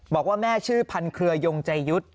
บอกว่าแม่ชื่อพันเครือยงใจยุทธ์